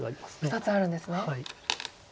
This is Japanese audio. ２つあるんですね。